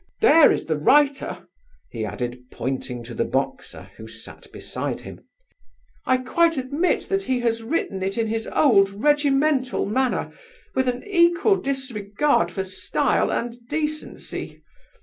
There is the writer," he added, pointing to the boxer, who sat beside him. "I quite admit that he has written it in his old regimental manner, with an equal disregard for style and decency.